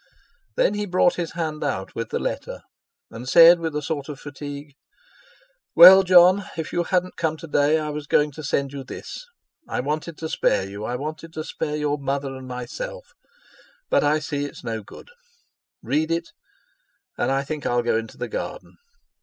Then he brought his hand out with the letter, and said with a sort of fatigue: "Well, Jon, if you hadn't come to day, I was going to send you this. I wanted to spare you—I wanted to spare your mother and myself, but I see it's no good. Read it, and I think I'll go into the garden."